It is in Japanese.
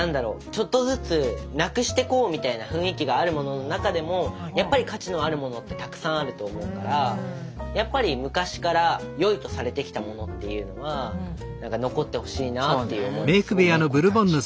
ちょっとずつなくしてこうみたいな雰囲気があるものの中でもやっぱり価値のあるものってたくさんあると思うからやっぱり昔から良いとされてきたものっていうのは何か残ってほしいなっていう思いはすごくありますね。